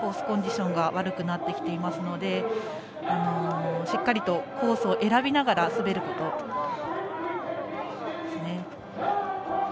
コンディションが悪くなってきていますのでしっかりとコースを選びながら滑ることですね。